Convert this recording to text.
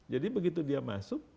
jadi begitu dia masuk